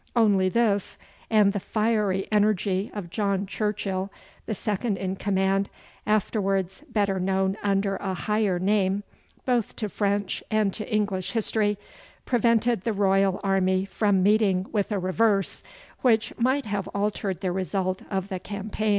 Only this and the fiery energy of John Churchill, the second in command, afterwards better known under a higher name, both to French and to English history, prevented the Royal army from meeting with a reverse which might have altered the result of the campaign.